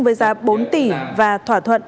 với giá bốn tỷ và thỏa thuận